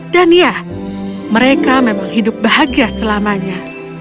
dan ya mereka memang hidup bahagia selamanya